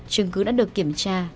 chứng cứ đã được kiểm tra